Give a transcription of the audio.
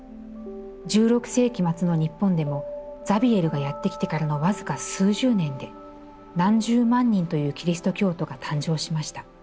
１６世紀末の日本でも、ザビエルがやって来てからのわずか数十年で何十万人というキリスト教徒が誕生しました。